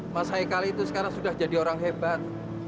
mas haikal itu sekarang sudah jadi orang hebat